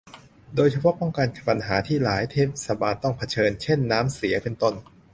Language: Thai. โดยเฉพาะป้องกันปัญหาที่หลายเทศบาลต้องเผชิญ เช่น น้ำเสีย เป็นต้น